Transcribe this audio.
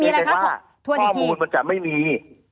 ไม่ใช่ว่าข้อมูลมันจะไม่มี